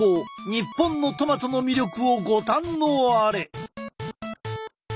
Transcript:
日本のトマトの魅力をご堪能あれ！